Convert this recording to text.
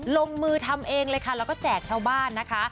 ลงมือทำเองเลยค่ะแล้วก็แจกชาวบ้านนะคะ